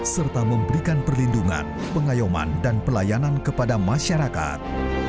serta memberikan perlindungan pengayuman dan pelayanan kepada masyarakat